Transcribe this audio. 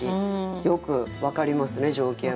よく分かりますね情景も。